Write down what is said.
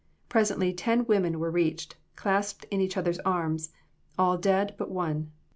Presently, ten women were reached, clasped in each others arms all dead but one.